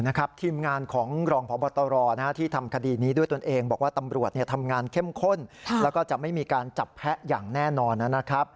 ทีมงานของรองพบตรที่ทำคดีนี้ด้วยตนเองบอกว่าตำรวจทำงานเข้มข้นแล้วก็จะไม่มีการจับแพะอย่างแน่นอนนะครับ